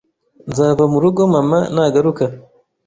Nzava mu rugo mama nagaruka